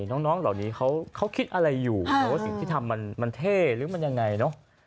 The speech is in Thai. น้องเหล่านี้เขาคิดอะไรอยู่ว่าสิ่งที่ทำมันเท่หรือมันยังไงเนอะ